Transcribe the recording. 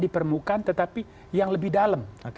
di permukaan tetapi yang lebih dalam